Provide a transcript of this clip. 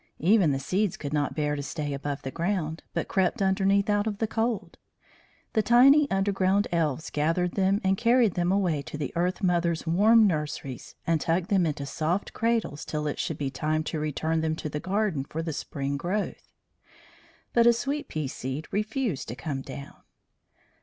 Even the seeds could not bear to stay above the ground, but crept underneath out of the cold. The tiny underground elves gathered them and carried them away to the Earth mother's warm nurseries, and tucked them into soft cradles till it should be time to return them to the garden for the spring growth. But a sweet pea seed refused to come down.